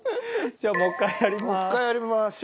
じゃあもう一回やります。